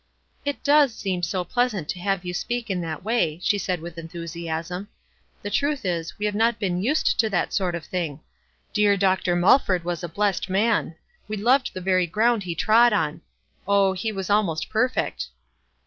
"It does seem so pleasant to have you speak in that way," she said, with enthusiasm. "The truth is, we have not been used to that sort of thing. Dear Dr. Muiford was a blessed man. We loved the very ground he trod on. Oh, he was almost perfect."